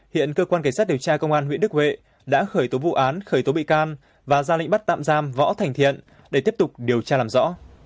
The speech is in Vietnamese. hiện cơ quan cảnh sát điều tra công an huyện đức huệ đã khởi tố vụ án khởi tố bị can và ra lệnh bắt tạm giam võ thành thiện để tiếp tục điều tra làm rõ